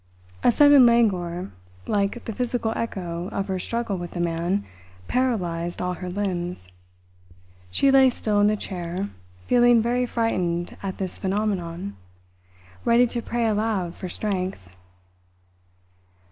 A sudden languor, like the physical echo of her struggle with the man, paralysed all her limbs. She lay still in the chair, feeling very frightened at this phenomenon ready to pray aloud for strength.